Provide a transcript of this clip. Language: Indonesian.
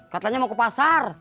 katanya mau ke pasar